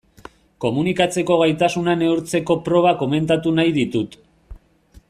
Komunikatzeko gaitasuna neurtzeko proba komentatu nahi ditut.